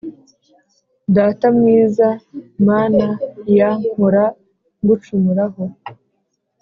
Data mwiza mana year mpora ngucumuraho